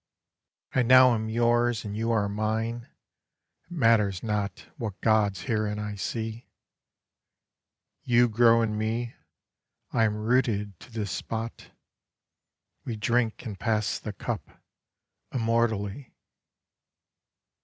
I now am yours and you are mine: it matters not What Gods herein I see: You grow in me, I am rooted to this spot, We drink and pass the cup, immortally.